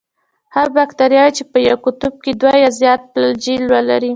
هغه باکتریاوې چې په یو قطب کې دوه یا زیات فلاجیل ولري.